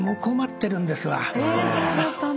そうだったんだ。